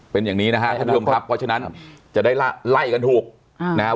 เป็นอย่างนี้นะครับเพราะฉะนั้นจะได้ไล่กันถูกนะครับ